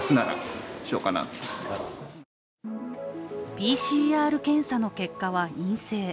ＰＣＲ検査の結果は陰性。